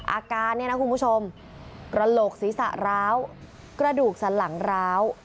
อาการเนี่ยนะคุณผู้ชมกระโหลกศีรษะร้าวกระดูกสันหลังร้าว